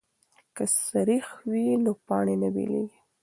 که سریښ وي نو پاڼې نه بېلیږي.